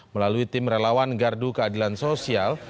melalui tim relawan gardu keadilan sosial